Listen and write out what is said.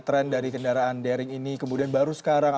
tren dari kendaraan daring ini kemudian baru sekarang